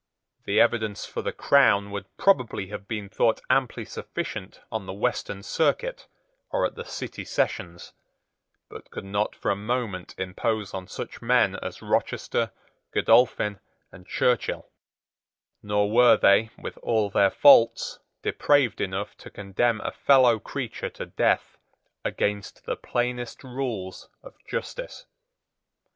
The evidence for the crown would probably have been thought amply sufficient on the Western Circuit or at the City Sessions, but could not for a moment impose on such men as Rochester, Godolphin, and Churchill; nor were they, with all their faults, depraved enough to condemn a fellow creature to death against the plainest rules of justice.